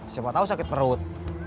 siapa tau sakit perut